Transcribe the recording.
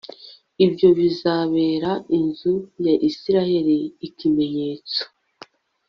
ibyo bizabera inzu ya isirayeli ikimenyetso